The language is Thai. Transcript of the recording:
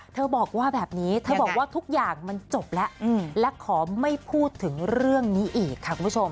บอกว่าแบบนี้เธอบอกว่าทุกอย่างมันจบแล้วและขอไม่พูดถึงเรื่องนี้อีกค่ะคุณผู้ชม